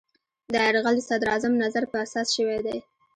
دا یرغل د صدراعظم نظر په اساس شوی دی.